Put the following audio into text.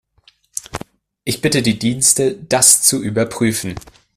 Ich bitte die Dienste, das zu überprüfen.